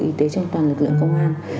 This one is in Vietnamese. y tế trong toàn lực lượng công an